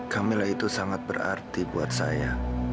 camillah itu sangat berarti buat saya